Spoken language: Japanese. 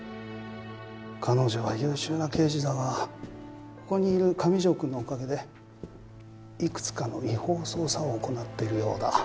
彼女は優秀な刑事だがここにいる上條くんのおかげでいくつかの違法捜査を行っているようだ。